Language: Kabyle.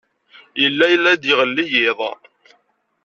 Yella la d-iɣelli yiḍ.